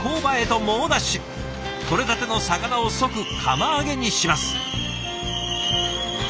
とれたての魚を即釜揚げにします。